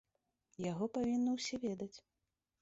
Яго павінны ўсе ведаць.